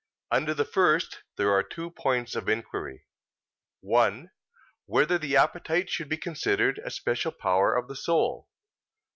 Under the first there are two points of inquiry: (1) Whether the appetite should be considered a special power of the soul?